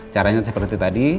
caranya seperti tadi